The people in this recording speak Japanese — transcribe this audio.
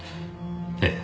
ええ。